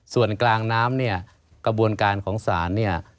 ส่วนกลางน้ำเนี่ยกระบวนการของศาลเนี่ย